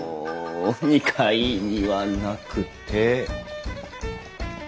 ２階にはなくて。